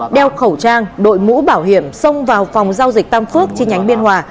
đeo khẩu trang đội mũ bảo hiểm xông vào phòng giao dịch tam phước chi nhánh biên hòa